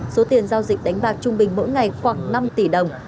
số tiền giao dịch đánh bạc trung bình mỗi ngày khoảng năm tỷ đồng